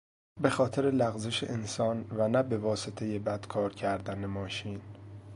بخاطر لغزش انسان و نه به واسطهی بد کار کردن ماشین